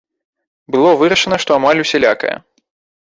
Было вырашана, што амаль усялякая.